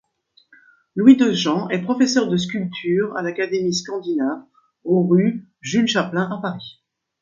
Louis Dejean est professeur de sculpture à l'Académie scandinave au rue Jules-Chaplain à Paris.